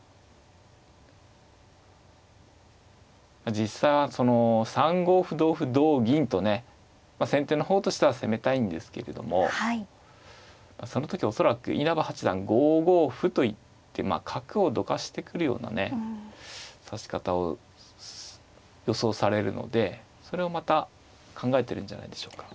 実際３五歩同歩同銀とね先手の方としては攻めたいんですけれどもその時恐らく稲葉八段５五歩と行って角をどかしてくるようなね指し方を予想されるのでそれをまた考えてるんじゃないでしょうか。